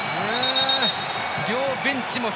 両ベンチも